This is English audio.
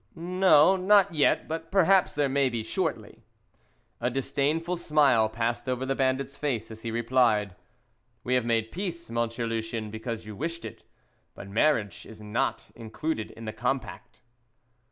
"No, not yet; but perhaps there may be shortly." A disdainful smile passed over the bandit's face as he replied, "We have made peace, Monsieur Lucien, because you wished it; but marriage is not included in the compact."